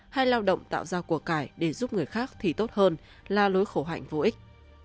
hay lao động tạo ra cuộc cải để giúp người khác thì tốt hơn là lối khổ hạnh vô ích